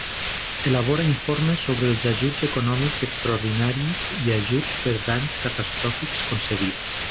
Elabora informes sobre els ajuts econòmics extraordinaris i ajuts per danys catastròfics concedits.